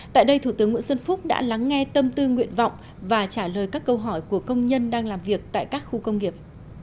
tại đây thủ tướng nguyễn xuân phúc đã lắng nghe tâm tư nguyện vọng và trả lời các câu hỏi của công nhân đang làm việc tại các khu công nghiệp